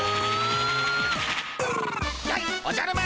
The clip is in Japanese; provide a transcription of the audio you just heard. やいおじゃる丸。